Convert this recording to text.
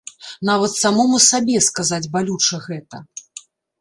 Нават самому сабе сказаць балюча гэта.